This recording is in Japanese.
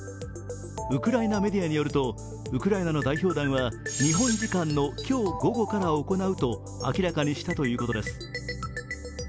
ウクライナメディアによると、ウクライナの代表団は日本時間の今日午後から行うと明らかにしたということです。